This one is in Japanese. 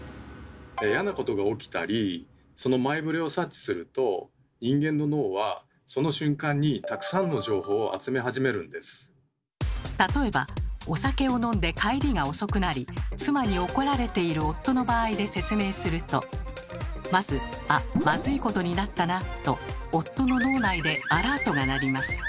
嫌なことが起きたりその前触れを察知すると人間の脳はその瞬間に例えばお酒を飲んで帰りが遅くなり妻に怒られている夫の場合で説明するとまず「あまずいことになったな」と夫の脳内でアラートが鳴ります。